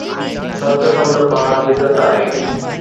ست سمنڊ پار جدت آهي